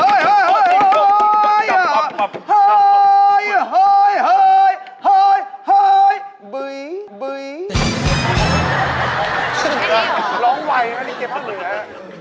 ร้องไวเหล่ะนี่มีเกพรั่งเหลือ